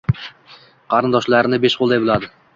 Qarindoshlarini besh qoʻlday biladi